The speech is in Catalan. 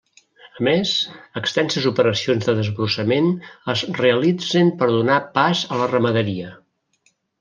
A més, extenses operacions de desbrossament es realitzen per donar pas a la ramaderia.